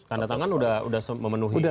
tanda tangan udah memenuhi syarat kan